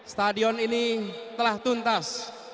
stadion ini telah tuntas